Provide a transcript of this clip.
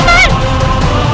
untuk bisa pulih jadi